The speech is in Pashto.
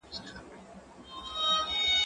زه ليکلي پاڼي ترتيب کړي دي؟